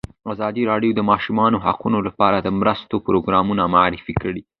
ازادي راډیو د د ماشومانو حقونه لپاره د مرستو پروګرامونه معرفي کړي.